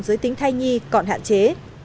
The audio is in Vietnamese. giới tính thai nghi còn hạn chế